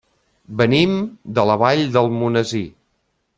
Venim de la Vall d'Almonesir.